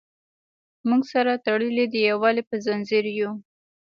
موږ سره تړلي د یووالي په زنځیر یو.